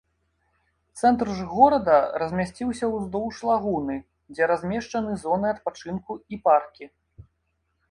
Цэнтр ж горада размясціўся ўздоўж лагуны, дзе размешчаны зоны адпачынку і паркі.